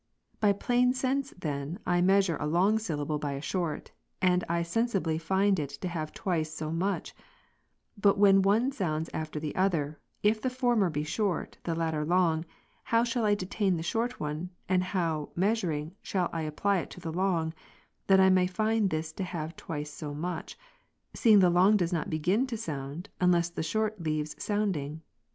By plain sense then, I measure a long syllable by a short, and I sensibly find it to have twice so much ; but when one sounds after the other, if the former be short, the latter long, how shall I detain the short one, and how, measuring, shall I apply it to the long, that I may find this to have twice so much ; seeing the long does not begin to sound, unless the short leaves sounding